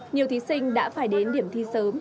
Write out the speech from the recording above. nhiều thí sinh đã phải đến điểm thi sớm